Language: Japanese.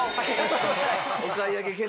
お買い上げ決定。